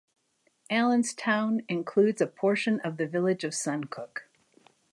Allenstown includes a portion of the village of Suncook.